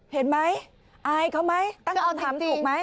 เห็นไหมอายเขาไหมตั้งคำถามถูกไหม